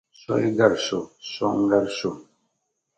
So yi gari so, so n-gari so.